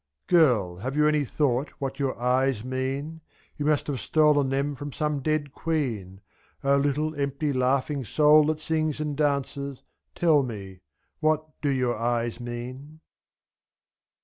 Girl, have you any thought what your eyes mean You must have stolen them from some dead queen, (s^,0 little empty laughing soul that sings And dances, tell me — What do your eyes mean